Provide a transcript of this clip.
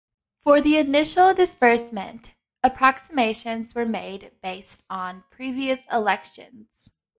For the initial disbursement, approximations were made based on previous elections.